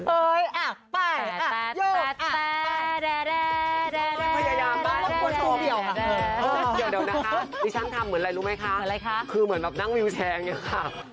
เดี๋ยวเดี๋ยวนะคะพี่ชังทำเหมือนอะไรรู้ไหมคะคือเหมือนแบบนั่งวิวแชร์เนี่ยค่ะ